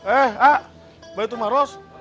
eh mbak itumaros